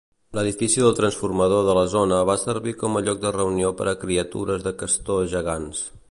L'edifici del transformador de la zona va servir com a lloc de reunió per a criatures de castor gegants.